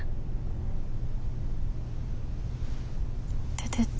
出てって。